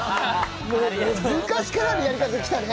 昔からのやり方できたね。